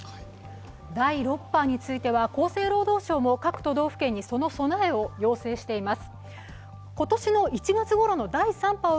第６波については、厚生労働省も各都道府県にその備えを要請しています。